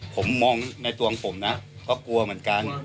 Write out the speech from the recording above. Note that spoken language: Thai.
ผมมองในตัวของผมนะก็กลัวเหมือนกัน